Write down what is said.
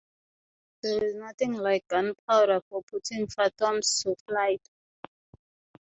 There is nothing like gunpowder for putting phantoms to flight.